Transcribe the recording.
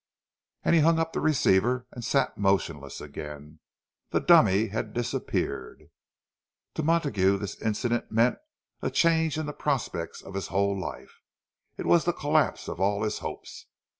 And he hung up the receiver, and sat motionless again. The dummy had disappeared! To Montague this incident meant a change in the prospect of his whole life. It was the collapse of all his hopes.